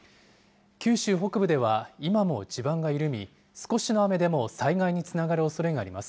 九州北部では今も地盤が緩み、少しの雨でも災害につながるおそれがあります。